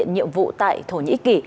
nhiệm vụ tại thổ nhĩ kỳ